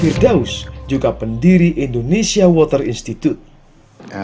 firdaus juga pendiri indonesia water institute